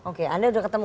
oke anda sudah ketemu